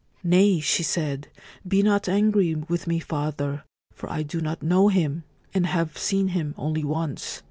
* Nay,' she said :* be not angry with me, father, for I do not know him, and have seen him only once.